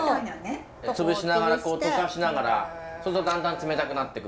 潰しながらとかしながらそうするとだんだん冷たくなってく。